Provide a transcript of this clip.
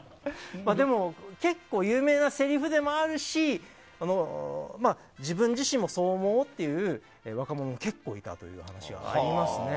でも結構有名なせりふでもあるし自分自身もそう思おうという若者も結構いたという話ですね。